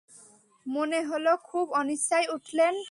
মনে হল খুব অনিচ্ছায় উঠলেন।